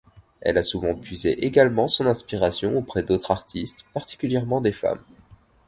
Elle a souvent puisé également son inspiration auprès d'autres artistes, particulièrement des femmes.